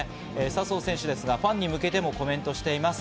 笹生選手ですが、ファンに向けてもコメントしています。